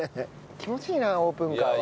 気持ちいいなオープンカーは。